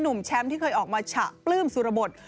หนุ่มแชมป์ที่เคยออกมาฉะปลื้มสุรบท